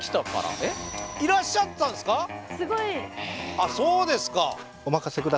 あっそうですか。